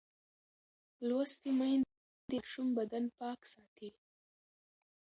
لوستې میندې د ماشوم بدن پاک ساتي.